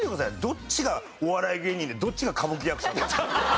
どっちがお笑い芸人でどっちが歌舞伎役者か。